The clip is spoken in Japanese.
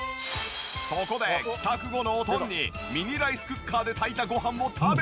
そこで帰宅後のおとんにミニライスクッカーで炊いたごはんを食べてもらった。